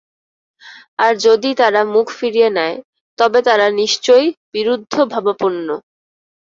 আর যদি তারা মুখ ফিরিয়ে নেয়, তবে তারা নিশ্চয়ই বিরুদ্ধভাবাপন্ন।